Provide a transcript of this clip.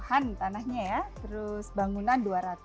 dua ratus lima puluh an tanahnya ya terus bangunan dua ratus